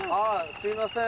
すいません。